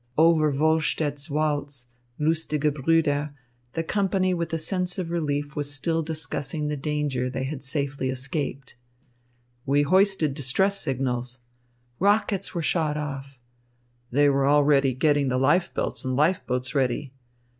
Over Vollstedt's waltz, Lustige Brüder, the company with a sense of relief was still discussing the danger they had safely escaped. "We hoisted distress signals." "Rockets were shot off." "They were already getting the life belts and life boats ready."